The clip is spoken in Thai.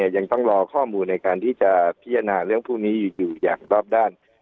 ยังต้องรอข้อมูลในการที่จะพิจารณาเรื่องพวกนี้อยู่อย่างรอบด้าน